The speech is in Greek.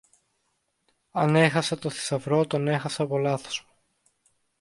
Αν έχασα το θησαυρό, τον έχασα από λάθος μου.